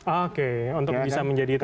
oke untuk bisa menjadi itu ya